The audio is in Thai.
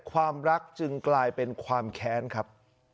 ความรักจึงกลายเป็นความแค้นครับ